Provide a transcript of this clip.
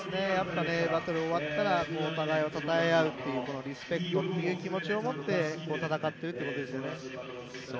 バトルが終わったらお互いをたたえ合うというこのリスペクトという気持ちを持って戦っているということですよね。